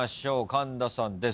神田さんです。